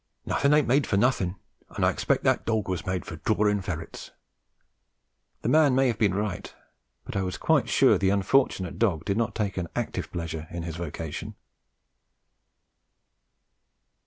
Nothing ain't made for nothing, and I expect that dawg was made for drawing ferrets." The man may have been right, but I was quite sure the unfortunate dog did not take an active pleasure in his vocation.